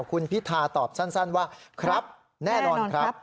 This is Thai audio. คุณพิธาตอบสั้นว่าครับแน่นอนครับ